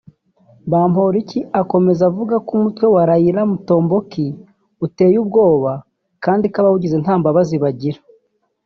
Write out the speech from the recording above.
Bamporiki akomeza avuga ko umutwe wa Raia Mutomboki uteye ubwoba kandi ko abawugize nta mbabazi bagira